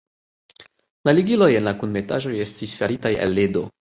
La ligiloj en la kunmetaĵoj estis faritaj el ledo.